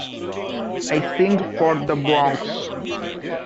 I sing for The Bronx.